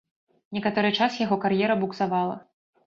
Некаторы час яго кар'ера буксавала.